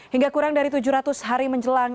hingga kurang dari tujuh ratus hari menjelang